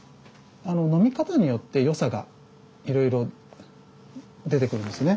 飲み方によってよさがいろいろ出てくるんですね。